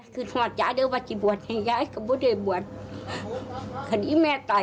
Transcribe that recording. สงสารหลานไหมยาย